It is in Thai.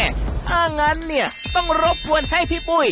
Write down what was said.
ถ้างั้นเนี่ยต้องรบกวนให้พี่ปุ้ย